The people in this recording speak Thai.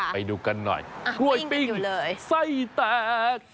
ไปดูกันหน่อยกล้วยปิ้งไส้แตก